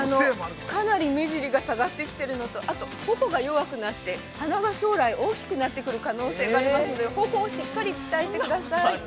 かなり目尻が下がってきてるのと鼻が将来大きくなってくる可能性がありますので頬をしっかり鍛えてください。